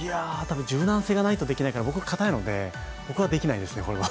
柔軟性がないとできないので、僕は硬いのでできないですね。